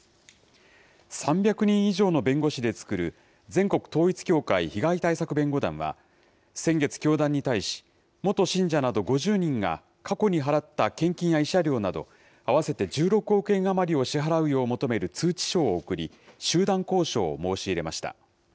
３００人以上の弁護士で作る、全国統一教会被害対策弁護団は、先月、教団に対し、元信者など５０人が、過去に払った献金や慰謝料など、合わせて１６億円余りを支払うよう求める通知書を送り、集団交渉を申し入れました。